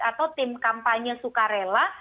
atau tim kampanye sukarela